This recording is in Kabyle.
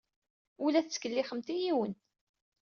Ur la tettkellixemt i yiwen.